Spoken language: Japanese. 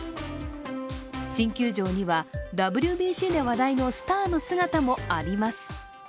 新球場にはＷＢＣで話題のスターの姿もあります。